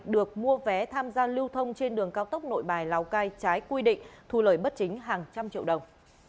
được mua vé tham gia lưu thông trên đường cao tốc nội bài lào cai trái quy định thu lời bất chính hàng trăm triệu đồng